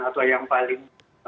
atau yang paling